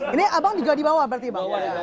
ini abang juga dibawa berarti bang